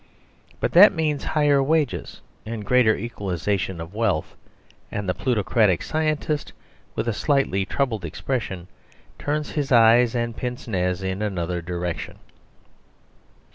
But that means higher wages and greater equalisation of wealth; and the plutocratic scientist, with a slightly troubled expression, turns his eyes and pince nez in another direction.